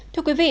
thưa quý vị